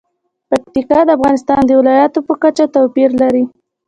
پکتیکا د افغانستان د ولایاتو په کچه توپیر لري.